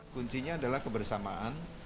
kuncinya adalah kebersamaan